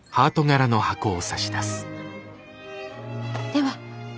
では